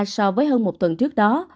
so với hơn một tuần trước đó